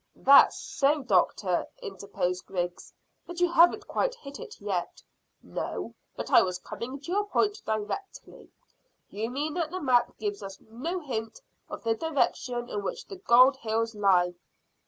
"That's so, doctor," interposed Griggs; "but you haven't quite hit it yet." "No, but I was coming to your point directly. You mean that the map gives us no hint of the direction in which the gold hills lie."